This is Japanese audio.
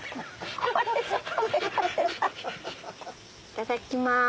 いただきます。